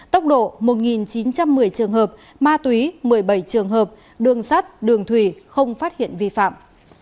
tốc độ một chín trăm một mươi trường hợp ma túy một mươi bảy trường hợp đường sắt đường thủy không phát hiện vi phạm